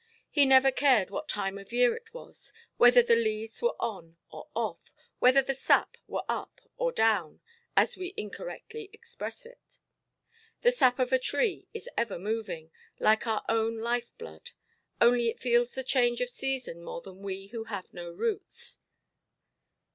He never cared what time of year it was, whether the leaves were on or off, whether the sap were up or down, as we incorrectly express it. The sap of a tree is ever moving, like our own life–blood; only it feels the change of season more than we who have no roots.